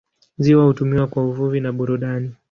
Ziwa hutumiwa kwa uvuvi na burudani.